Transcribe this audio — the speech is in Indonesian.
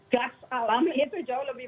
gas alami itu jauh lebih